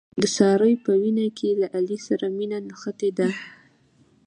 د سارې په وینه کې له علي سره مینه نغښتې ده.